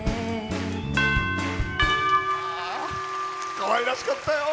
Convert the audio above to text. かわいらしかったよ！